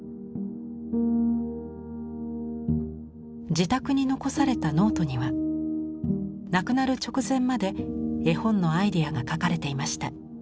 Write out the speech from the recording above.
自宅に残されたノートには亡くなる直前まで絵本のアイデアが描かれていました。